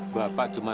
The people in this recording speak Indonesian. bapak cuma memang